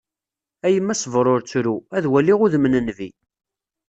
A yemma sber ur ttru, ad waliɣ udem n Nnbi.